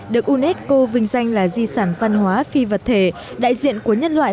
được unesco vinh danh là di sản văn hóa phi vật thể đại diện của nhân loại